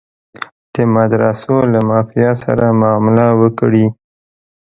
د مدرسو له مافیا سره معامله وکړي.